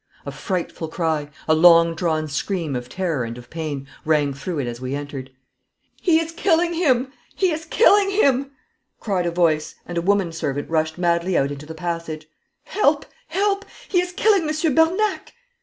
A frightful cry a long drawn scream of terror and of pain rang through it as we entered. 'He is killing him! He is killing him!' cried a voice, and a woman servant rushed madly out into the passage. 'Help, help; he is killing Monsieur Bernac!'